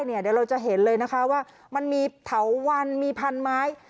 เดี๋ยวเราจะเห็นเลยนะคะว่ามันมีเถาวันมีพันไม้